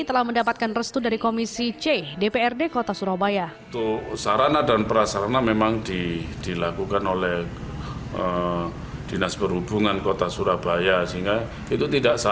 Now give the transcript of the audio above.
telah mendapatkan restu dari komisi c dprd kota surabaya